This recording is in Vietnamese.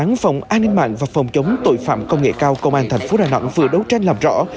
phòng an ninh mạng và phòng chống tội phạm công nghệ cao công an thành phố đà nẵng vừa đấu tranh làm rõ